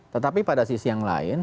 tetapi pada sisi yang lain